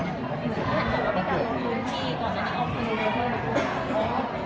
แล้วก็มีการลงทุนที่ก่อนนั้นออกไป